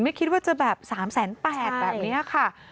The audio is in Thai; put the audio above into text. ไม่คิดว่าจะแบบ๓๘๐๐แบบนี้ค่ะ